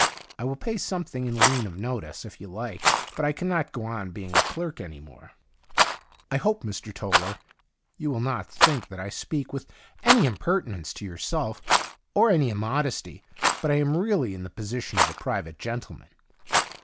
I will pay something in lieu of notice, if you like, but I cannot go on being a clerk any more. I THE DIARY OF A GOD hope, Mr. Toller, you will not think that I speak with any impertinence to yourself, or any immodesty, but I am really in the position of a private gentleman.'